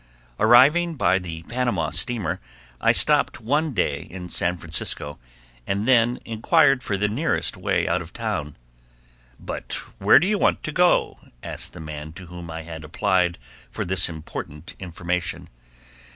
Arriving by the Panama steamer, I stopped one day in San Francisco and then inquired for the nearest way out of town. "But where do you want to go?" asked the man to whom I had applied for this important information.